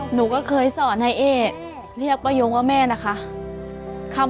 หนูก็เคยสอนให้เอ๊เรียกป้ายงว่าแม่นะคะ